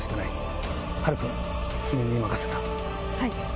はい。